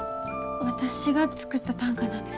私が作った短歌なんです。